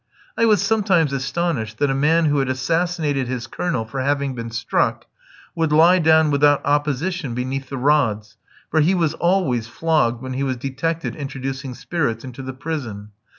I was sometimes astonished that a man who had assassinated his Colonel for having been struck, would lie down without opposition beneath the rods, for he was always flogged when he was detected introducing spirits into the prison.